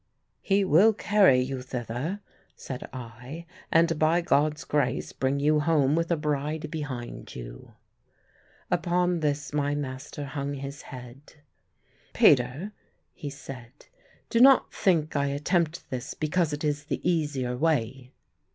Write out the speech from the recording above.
"He will carry you thither," said I; "and by God's grace, bring you home with a bride behind you." Upon this my master hung his head. "Peter," he said, "do not think I attempt this because it is the easier way."